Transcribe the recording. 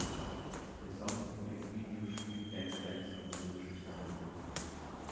Der Song wurde im Videospiel "Dance Dance Revolution" verwendet.